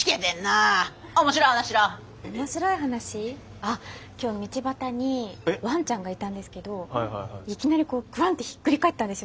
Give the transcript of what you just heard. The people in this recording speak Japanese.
あっ今日道端にワンちゃんがいたんですけどいきなりこうグワンッてひっくり返ったんですよ